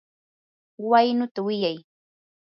waynuta wiyay.